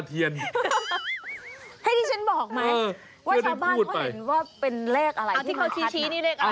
ที่เขาชี้นี่เลขอะไรครับคุณผู้ชม